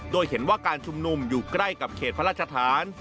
โดยเห็นว่าการชุมนุมอยู่ใกล้กับเขตพระราชฐาน